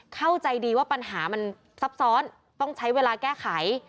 เข้าใจดีว่าปัญหามันซับซ้อนต้องใช้เวลาแก้ไข